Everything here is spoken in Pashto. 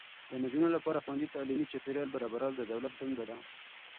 د نجونو لپاره د خوندي تعلیمي چاپیریال برابرول د دولت دنده ده.